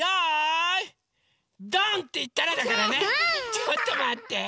ちょっとまって！